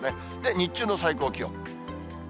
日中の最高気温。